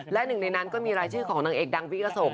และหนึ่งในนั้นก็มีรายชื่อของนางเอกดังวิกสงฆ